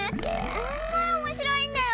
すっごいおもしろいんだよ！